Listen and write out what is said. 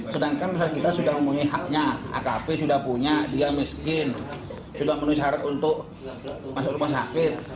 sedangkan masyarakat kita sudah mempunyai haknya akp sudah punya dia miskin sudah menuhi syarat untuk masuk rumah sakit